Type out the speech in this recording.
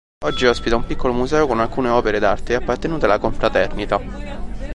Oggi ospita un piccolo museo con alcune opere d'arte appartenute alla Confraternita.